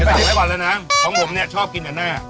เดี๋ยวถามให้กว่าแล้วนะของผมเนี่ยชอบกินกับหน้า